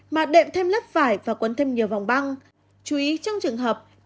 mà đệm thêm lớp vải và cuốn thêm nhiều vòng băng